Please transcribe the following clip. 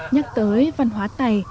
nhắc tới văn hóa tày